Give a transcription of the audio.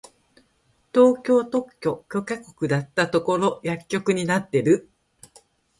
東京特許許可局だったところ薬局になってる！